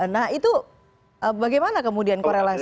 nah itu bagaimana kemudian korelasi